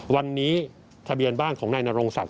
วันนี้ทะเบียนบ้านของนายนรงศักดิ